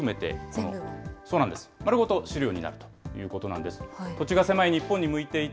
そうなんです、丸ごと飼料になるということなんです。